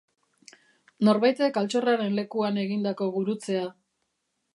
Norbaitek altxorraren lekuan egindako gurutzea.